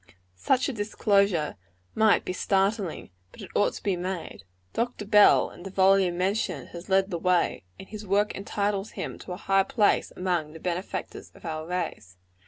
Such a disclosure might be startling; but it ought to be made. Dr. Bell, in the volume mentioned, has led the way; and his work entitles him to a high place among the benefactors of our race.